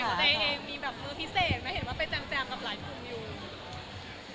อย่างขอใจเองมีแบบมือพิเศษไม่เห็นว่าไปแจ้งแจ้งกับหลายคนอยู่